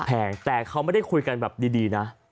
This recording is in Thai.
แงแต่เขาไม่ได้คุยกันแบบดีนะ